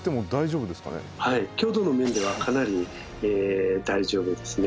強度の面ではかなり大丈夫ですね。